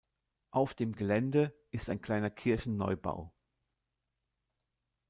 Auf dem Gelände ist ein kleiner Kirchenneubau.